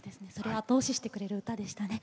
後押ししてくれる歌でした。